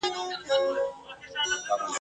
رسنۍ د معلوماتو سرچینه ده.